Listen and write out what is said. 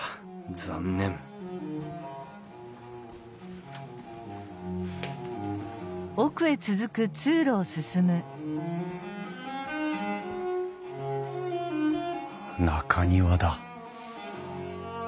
残念中庭だ。